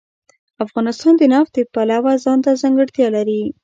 افغانستان د نفت د پلوه ځانته ځانګړتیا لري.